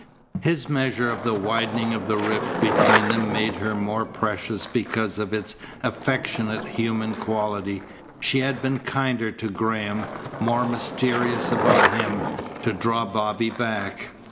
His measure of the widening of the rift between them made her more precious because of its affectionate human quality. She had been kinder to Graham, more mysterious about him, to draw Bobby back.